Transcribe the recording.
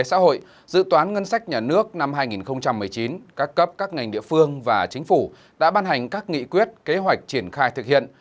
trước năm hai nghìn một mươi chín các cấp các ngành địa phương và chính phủ đã ban hành các nghị quyết kế hoạch triển khai thực hiện